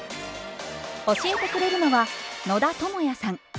教えてくれるのは野田智也さん。